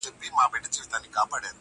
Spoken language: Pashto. نو گراني تاته په ښكاره نن داخبره كوم~